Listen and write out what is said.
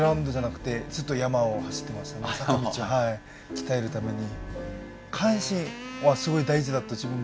鍛えるために。